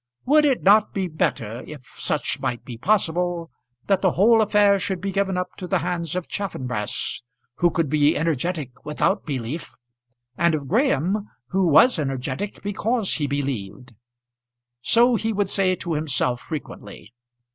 Would it not be better, if such might be possible, that the whole affair should be given up to the hands of Chaffanbrass who could be energetic without belief, and of Graham who was energetic because he believed? So he would say to himself frequently.